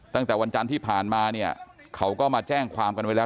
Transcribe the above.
ตั้งแต่วันจันทร์ที่ผ่านมาเนี่ยเขาก็มาแจ้งความกันไว้แล้ว